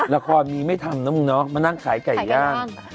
ละครมีไม่ทำนะมึงเนาะมานั่งขายไก่ย่าง